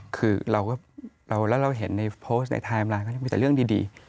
คือแล้วเราเห็นในโพสต์ในไทม์ล่างมีแต่เรื่องดี